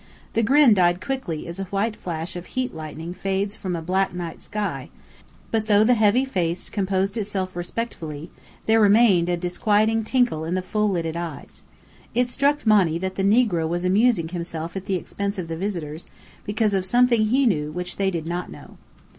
The grin died quickly as a white flash of heat lightning fades from a black night sky: but though the heavy face composed itself respectfully, there remained a disquieting twinkle in the full lidded eyes. It struck Monny that the negro was amusing himself at the expense of the visitors, because of something he knew which they did not know.